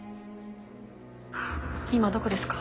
今どこですか？